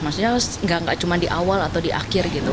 maksudnya nggak cuma di awal atau di akhir gitu